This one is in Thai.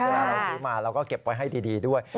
เวลาเราซื้อมาเราก็เก็บไว้ให้ดีด้วย